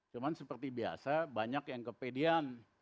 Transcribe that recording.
cuma seperti biasa banyak yang kepedian